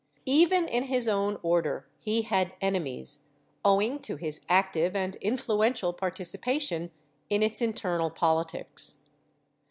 Even in his own Order he had enemies, owing to his active and influential participation in its internal politics.